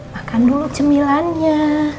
makan dulu cemilannya